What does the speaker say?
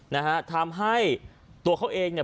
นะฮะทำให้ตัวเขาเองเนี่ย